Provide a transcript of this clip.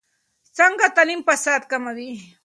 څنګه تعلیم فساد کموي؟